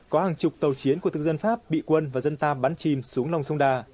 có hàng chục tàu chiến của thực dân pháp bị quân và dân ta bắn chìm xuống lòng sông đà